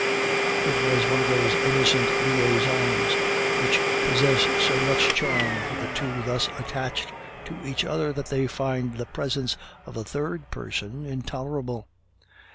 It was one of those innocent liaisons which possess so much charm for the two thus attached to each other that they find the presence of a third person intolerable.